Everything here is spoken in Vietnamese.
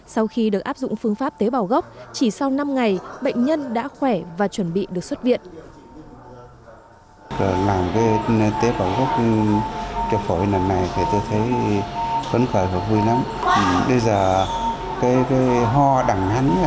sau khi được áp dụng phương pháp tế bào gốc chỉ sau năm ngày bệnh nhân đã khỏe và chuẩn bị được xuất viện